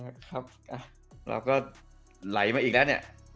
เราก็ไหลมาอีกแล้วเนี่ย